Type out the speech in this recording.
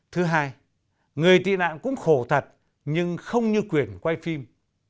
thứ hai người tị nạn cũng khổ thật nhưng không như quyền quay phim